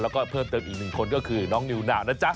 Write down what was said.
แล้วก็เพิ่มเติมอีกหนึ่งคนก็คือน้องนิวนาวนะจ๊ะ